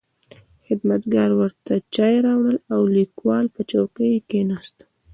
خدمتګار ورته چای راوړ او لیکوال په چوکۍ کې کښېناست.